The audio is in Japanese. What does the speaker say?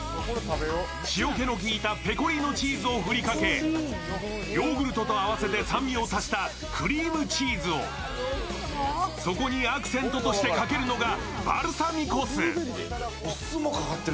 塩気のきいたペコリーノチーズを振りかけ、ヨーグルトと合わせて酸味を足したクリームチーズをそこにアクセントとしてかけるのがバルサミコ酢。